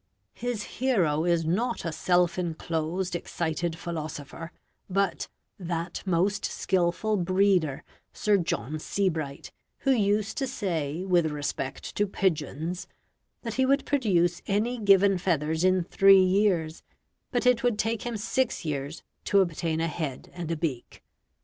His hero is not a self enclosed, excited philosopher, but "that most skilful breeder, Sir John Sebright, who used to say, with respect to pigeons, that he would produce any given feathers in three years, but it would take him six years to obtain a head and a beak".